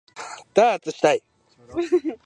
ダーツしたい